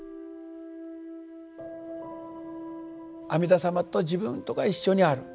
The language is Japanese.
阿弥陀様と自分とが一緒にある。